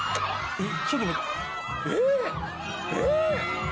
・えっ！